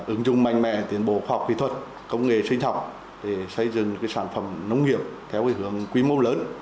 ứng dụng mạnh mẽ tiến bộ khoa học kỹ thuật công nghệ sinh học để xây dựng sản phẩm nông nghiệp theo hướng quy mô lớn